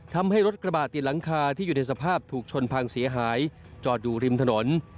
ทำให้รถกระบะติดหลังคาที่อยู่ในสภาพถูกชนพังเสียหายจอดอยู่ริมถนน